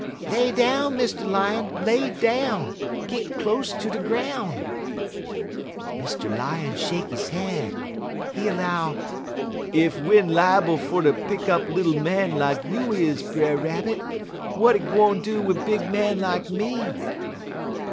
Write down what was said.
"'Lay down, Mr. Lion, lay down! Git close ter de groun'!' "Mr. Lion shake his head. He 'low: "'Ef win' lierbul fer ter pick up little man like you is, Brer Rabbit, w'at it gwine do wid big man like me?'